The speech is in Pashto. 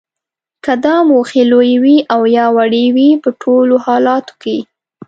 که دا موخې لویې وي او یا وړې وي په ټولو حالتونو کې